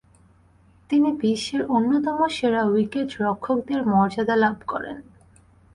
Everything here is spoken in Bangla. তিনি বিশ্বের অন্যতম সেরা উইকেট-রক্ষকের মর্যাদা লাভ করেন।